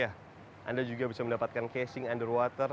sehingga anda bisa mencari kamera yang lebih bagus